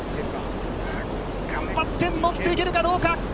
頑張って乗っていけるかどうか。